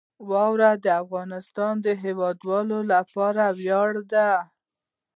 واوره د افغانستان د هیوادوالو لپاره ویاړ دی.